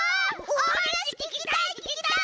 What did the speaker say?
おはなしききたいききたい！